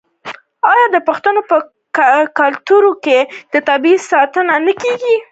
آیا د پښتنو په کلتور کې د طبیعت ساتنه نه کیږي؟